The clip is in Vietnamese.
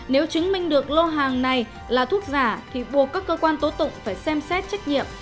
nếu chứng minh được lô hàng này là thuốc giả thì buộc các cơ quan tố tụng phải xem xét trách nhiệm